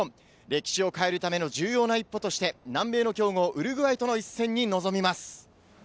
歴史を変えるための重要な一歩として南米の強豪ウルグアイとの一戦に臨みます。